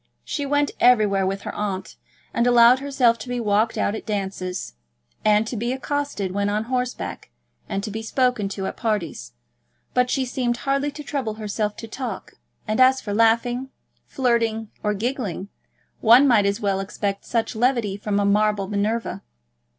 She went everywhere with her aunt, and allowed herself to be walked out at dances, and to be accosted when on horseback, and to be spoken to at parties; but she seemed hardly to trouble herself to talk; and as for laughing, flirting, or giggling, one might as well expect such levity from a marble Minerva.